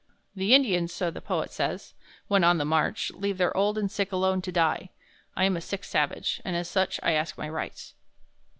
The Indians, so the poet says, when on the march, leave their old and sick alone to die. I am a sick savage, and as such, I ask my rights."